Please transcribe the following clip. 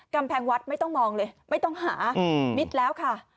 กำแพงวัดไม่ต้องมองเลยไม่ต้องหามิดแล้วค่ะ